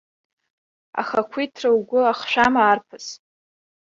Ахақәиҭра угәы ахшәама, арԥыс?!